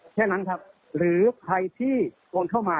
แค่นั้นครับหรือใครที่โอนเข้ามา